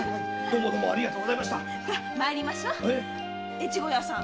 越後屋さん。